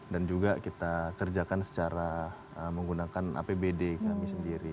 dan juga kita kerjakan secara menggunakan apbd kami sendiri